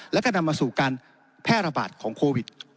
แล้วก็นำมาสู่การแพร่ระบาดของโควิด